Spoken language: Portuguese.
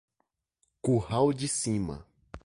Curral de Cima